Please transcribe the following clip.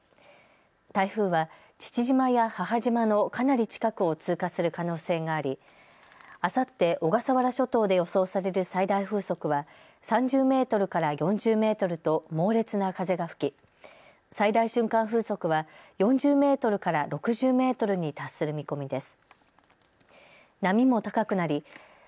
台風は父島や母島のかなり近くを通過する可能性がありあさって小笠原諸島で予想される最大風速は３０メートルから４０メートルと猛烈な風が吹き最大瞬間風速は４０メートルから６０メートルに達する見込みです。